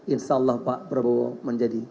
insya allah pak prabowo menjadi